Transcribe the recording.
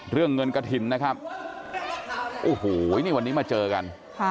เรื่องเงินกระถิ่นนะครับโอ้โหนี่วันนี้มาเจอกัน